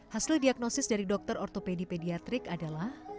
hasil diagnosis dari dokter ortopedi pediatrik adalah